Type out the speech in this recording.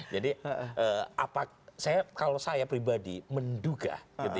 jadi kalau saya pribadi menduga